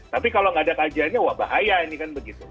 tapi kalau nggak ada kajiannya wah bahaya ini kan begitu